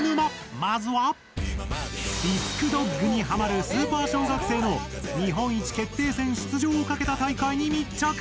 まずはディスクドッグにハマるスーパー小学生の日本一決定戦出場をかけた大会に密着！